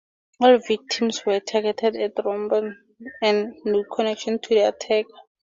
All the victims were targeted at random and had no connection to the attacker.